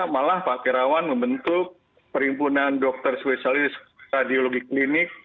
malah pak terawan membentuk perhimpunan dokter spesialis radiologi klinik